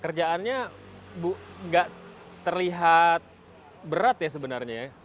kerjaannya nggak terlihat berat ya sebenarnya ya